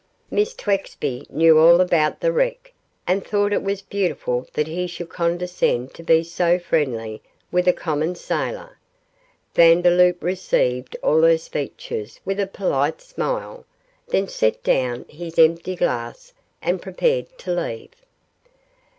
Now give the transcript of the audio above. Miss Twexby knew all about the wreck, and thought it was beautiful that he should condescend to be so friendly with a common sailor. Vandeloup received all her speeches with a polite smile, then set down his empty glass and prepared to leave.